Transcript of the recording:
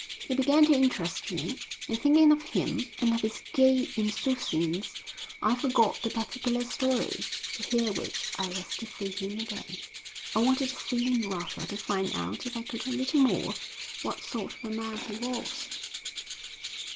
He began to interest me, and thinking of him and of his gay insouciance I forgot the particular story, to hear which I was to see him again. I wanted to see him rather to find out if I could a little more what sort of man he was.